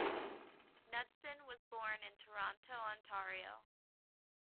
Knudsen was born in Toronto, Ontario.